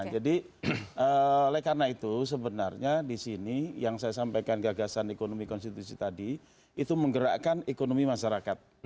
jadi oleh karena itu sebenarnya disini yang saya sampaikan gagasan ekonomi konstitusi tadi itu menggerakkan ekonomi masyarakat